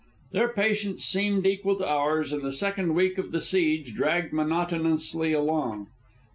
Their patience seemed equal to ours, and the second week of the siege dragged monotonously along.